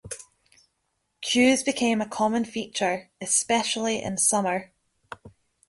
Queues became a common feature, especially in summer.